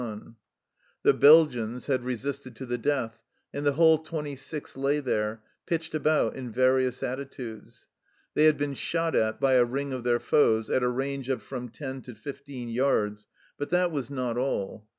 IN THE THICK OF A BATTLE 25 The Belgians had resisted to the death, and the whole twenty six lay there, pitched about in various attitudes. They had been shot at by a ring of their foes at a range of from ten to fifteen yards, but that was not all.